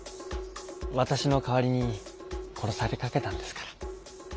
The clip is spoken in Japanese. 私の代わりに殺されかけたんですから。